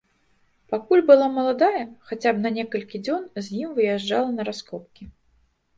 Пакуль была маладая, хаця б на некалькі дзён з ім выязджала на раскопкі.